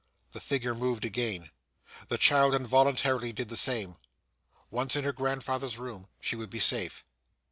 The figure moved again. The child involuntarily did the same. Once in her grandfather's room, she would be safe.